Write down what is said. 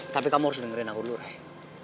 tapi kamu harus dengerin aku dulu raya